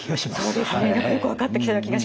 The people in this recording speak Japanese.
そうですね。よく分かってきたような気がします。